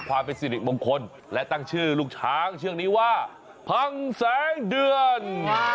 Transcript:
ความเป็นสิริมงคลและตั้งชื่อลูกช้างเชือกนี้ว่าพังแสงเดือน